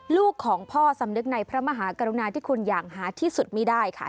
ลูกของพ่อสำนึกในพระมหากรุณาที่คุณอย่างหาที่สุดไม่ได้ค่ะ